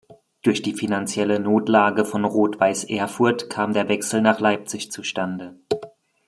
Durch die finanzielle Notlage von Rot-Weiß Erfurt kam der Wechsel nach Leipzig zustande.